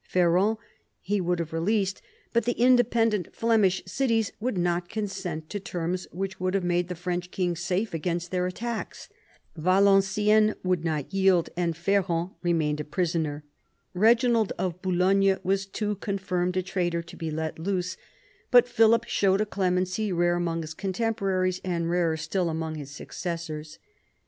Ferrand he would have released, but the independent Flemish cities would not consent to terms which would have made the French king safe against their attacks. Valenciennes would not yield, and Fer rand remained a prisoner. Eeginald of Boulogne was too confirmed a traitor to be let loose. But Philip showed a clemency rare among his contemporaries and rarer still among his successors.